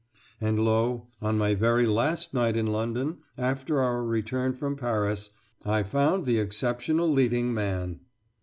And lo, on my very last night in London, after our return from Paris, I found the exceptional leading man.